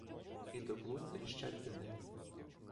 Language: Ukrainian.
І до клунь тріщать тини.